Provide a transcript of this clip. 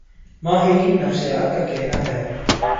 ماہرین نفسیات کا کہنا ہے